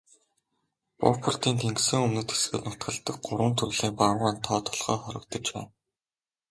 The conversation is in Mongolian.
Бофортын тэнгисийн өмнөд хэсгээр нутагладаг гурван төрлийн баавгайн тоо толгой хорогдож байна.